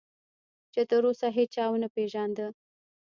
چې تراوسه هیچا ونه پېژانده.